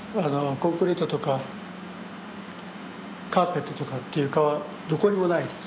コンクリートとかカーペットとかっていう床はどこにもない。